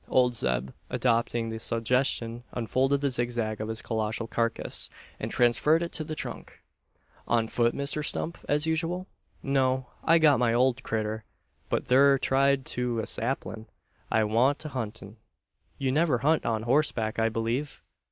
Old Zeb, adopting the suggestion, unfolded the zigzag of his colossal carcase, and transferred it to the trunk. "On foot, Mr Stump, as usual?" "No: I got my old critter out thur, tied to a saplin'. I wa'n't a huntin'." "You never hunt on horseback, I believe?"